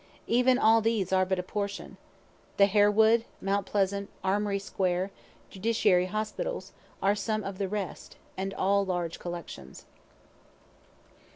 Even all these are but a portion. The Harewood, Mount Pleasant, Armory square, Judiciary hospitals, are some of the rest, and all large collections.